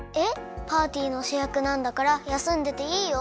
パーティーのしゅやくなんだからやすんでていいよ？